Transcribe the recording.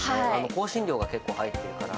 香辛料が結構入っているから。